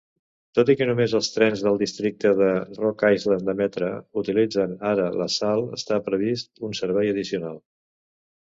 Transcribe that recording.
Tot i que només els trens del districte de Rock Island de Metra utilitzen ara LaSalle, està previst un servei addicional.